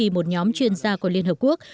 một nhóm chuyên gia của liên hợp quốc